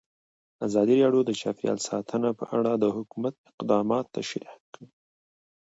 ازادي راډیو د چاپیریال ساتنه په اړه د حکومت اقدامات تشریح کړي.